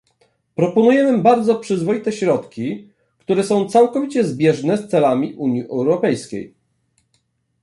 Proponujemy bardzo przyzwoite środki, które są całkowicie zbieżne z celami Unii Europejskiej